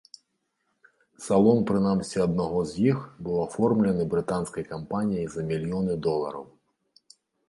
Салон прынамсі аднаго з іх быў аформлены брытанскай кампаніяй за мільёны долараў.